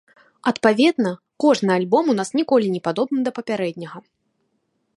Адпаведна, кожны альбом у нас ніколі не падобны да папярэдняга.